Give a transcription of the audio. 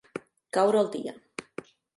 Caure el dia.